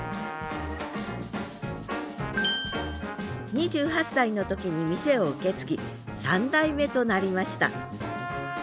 ２８歳の時に店を受け継ぎ３代目となりました。